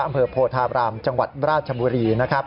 อำเภอโพธาบรามจังหวัดราชบุรีนะครับ